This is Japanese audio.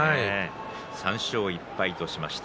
３勝１敗としました。